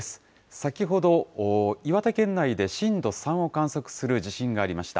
先ほど、岩手県内で震度３を観測する地震がありました。